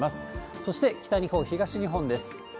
そして北日本、東日本です。